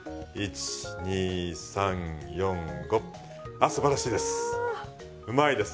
あすばらしいです。